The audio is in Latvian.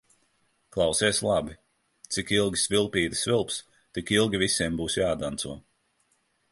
Klausies labi: cik ilgi svilpīte svilps, tik ilgi visiem būs jādanco.